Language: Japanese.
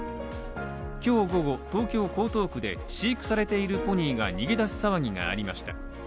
今日午後、東京・江東区で飼育されているポニーが逃げ出す騒ぎがありました。